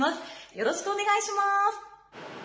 よろしくお願いします」。